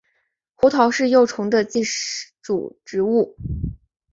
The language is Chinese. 胡桃是幼虫的寄主植物。